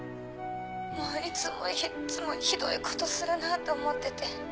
もういつもいっつもひどいことするなと思ってて。